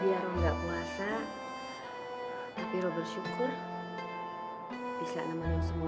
biar oh nggak puasa tapi roh bersyukur bisa nemanin semua di sini yang bersyukur bakal puasa